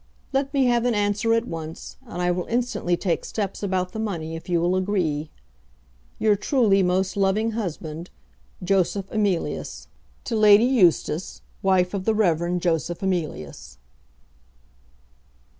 Let me have an answer at once, and I will instantly take steps about the money if you will agree. Your truly most loving husband, JOSEPH EMILIUS. To Lady Eustace, wife of the Rev. Joseph Emilius.